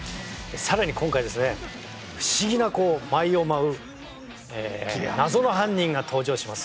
さらに今回、不思議な舞を舞う謎の犯人が登場します。